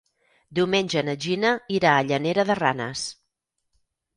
Diumenge na Gina irà a Llanera de Ranes.